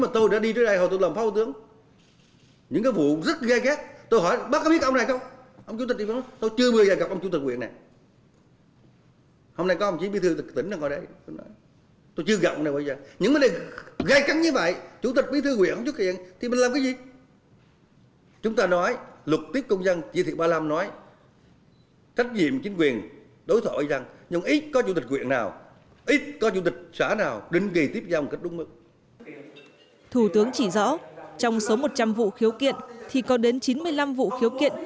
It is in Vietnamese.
thủ tướng chỉ rõ trong số một trăm linh vụ khiếu kiện thì có đến chín mươi năm vụ khiếu kiện